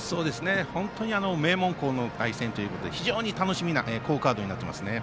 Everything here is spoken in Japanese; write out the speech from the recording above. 本当に名門校の対戦ということで非常に楽しみな好カードになっていますね。